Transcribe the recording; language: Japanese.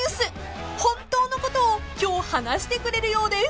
［本当のことを今日話してくれるようです］